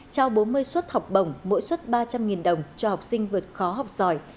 trao bốn mươi suất học bổng mỗi suất ba trăm linh đồng cho học sinh vượt khó học giỏi